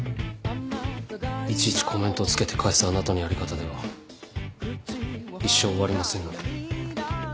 いちいちコメントを付けて返すあなたのやり方では一生終わりませんので。